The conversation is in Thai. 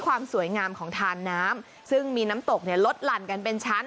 ความสวยงามของทานน้ำซึ่งมีน้ำตกเนี่ยลดหลั่นกันเป็นชั้น